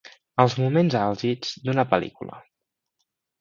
Els moments àlgids d'una pel·lícula.